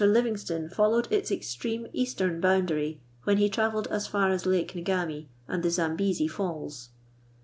Livingstone followed its extreme eastern boundary when he travelled as far as Lake Ngami and the Zambesi Falls.